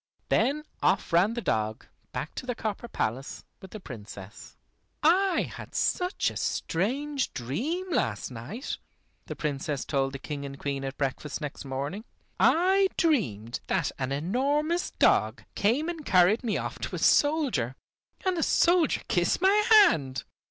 Then off ran the dog, back to the copper palace with the Princess. "I had such a strange dream last night," the Princess told the King and Queen at breakfast next morning. "I dreamed that an enormous dog came and carried me off to a soldier, and the soldier kissed my hand.